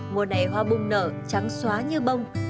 mùa này hoa bùng nở trắng xóa như bông